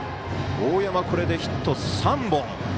大山、これでヒット３本。